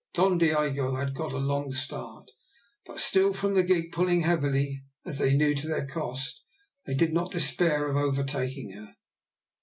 Don Diogo had got a long start, but still, from the gig pulling heavily, as they knew to their cost, they did not despair of overtaking her.